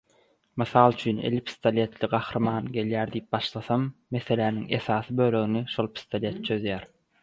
Mysal üçin, eli pistoletli gahrymanyň gelýär diýip başlasam, meseläniň esasy bölegini şol pistolet çözýär.